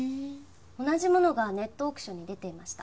同じものがネットオークションに出ていました。